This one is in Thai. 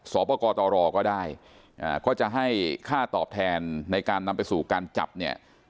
สอบประกอบก็ได้ก็จะให้ค่าตอบแทนในการนำไปสู่การจับเนี่ย